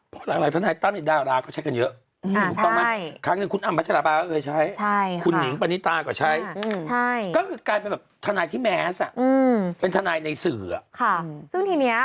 เพราะหลายทนายตั้มอินดาลาก็ใช้กันเยอะ